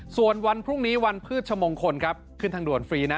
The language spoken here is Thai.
ส่วนวันพรุ่งนี้วันพืชชมงคลครับขึ้นทางด่วนฟรีนะ